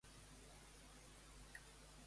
Quan va visitar Espanya per primera vegada?